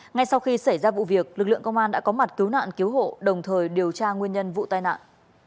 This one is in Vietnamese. ngay sau khi xảy ra vụ việc lực lượng công an đã có mặt cứu nạn cứu hộ đồng thời điều tra nguyên nhân vụ tai nạn